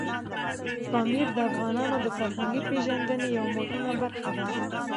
پامیر د افغانانو د فرهنګي پیژندنې یوه مهمه برخه ده.